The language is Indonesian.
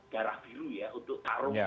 garah biru ya untuk